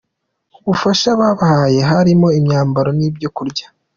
Ubufasha babahaye harimo; imyambaro n’ibyo kurya.